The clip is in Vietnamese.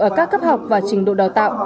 ở các cấp học và trình độ đào tạo